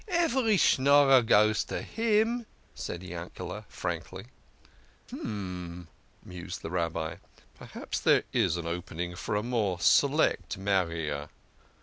"" Every Schnorrer goes to him," said Yankel frankly. " Hum !" mused the Rabbi. " Perhaps there is an open ing for a more select marrier.